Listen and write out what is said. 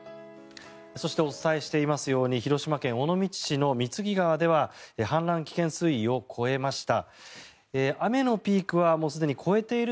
そしてお伝えしていますように広島県尾道市の御調川では氾濫危険水位を超えました。